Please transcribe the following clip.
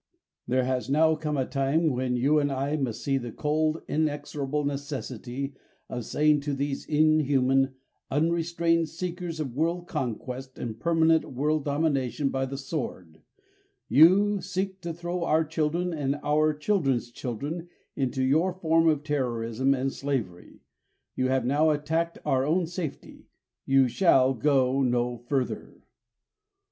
There has now come a time when you and I must see the cold inexorable necessity of saying to these inhuman, unrestrained seekers of world conquest and permanent world domination by the sword: "You seek to throw our children and our children's children into your form of terrorism and slavery. You have now attacked our own safety. You shall go no further."